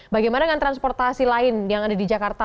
bagaimana dengan transportasi lain yang ada di jakarta